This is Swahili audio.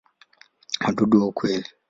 Wadudu wa kweli.